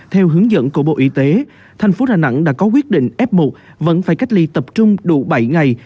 theo hướng dẫn của bộ y tế thành phố đà nẵng đã có quyết định f một vẫn phải cách ly tập trung đủ bảy ngày